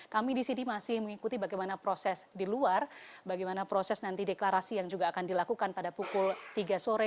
kami di sini masih mengikuti bagaimana proses di luar bagaimana proses nanti deklarasi yang juga akan dilakukan pada pukul tiga sore